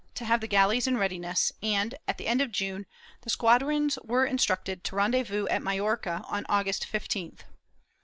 II] EXPULSION 393 have the galleys in readiness and, at the end of June, the squad rons were instructed to rendezvous at Majorca on August 15th.